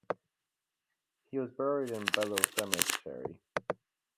He was buried in Bellu Cemetery.